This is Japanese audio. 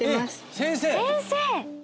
先生！